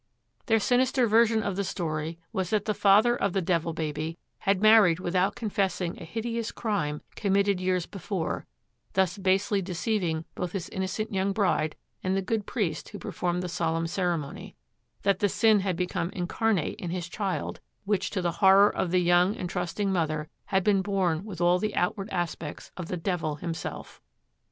Their sinister version of the story was that the father of the Devil Baby had married without confessing a hideous crime committed years before, thus basely deceiving both his innocent young bride and the good priest who performed the solemn ceremony; that the sin had become incarnate in his child, which, to the horror of the young and trusting mother, had been born with all the outward aspects of the devil himself.